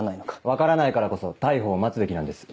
分からないからこそ逮捕を待つべきなんです。